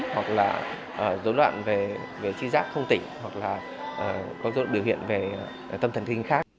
hoặc là dỗ loạn về trí giác không tỉnh hoặc là có dỗ loạn biểu hiện về tâm thần kinh khác